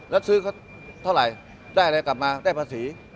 แล้วซื้อเขาเท่าไหร่ได้อะไรกลับมาได้ภาษี